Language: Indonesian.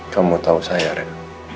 kamu tahu saya ren